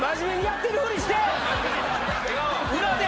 裏で！